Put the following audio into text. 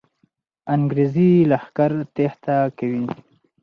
انګریزي لښکر تېښته کوي.